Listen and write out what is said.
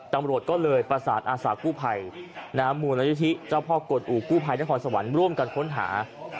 ตำรวจก็เลยประสานอาสากู้ภัยมูลนิธิเจ้าพ่อกฎอู่กู้ภัยนครสวรรค์ร่วมกันค้นหา